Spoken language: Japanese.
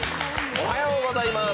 おはようございます。